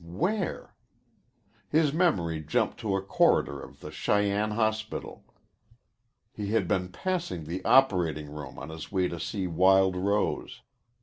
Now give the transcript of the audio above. Where? His memory jumped to a corridor of the Cheyenne hospital. He had been passing the operating room on his way to see Wild Rose.